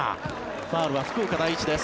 ファウルは福岡第一です。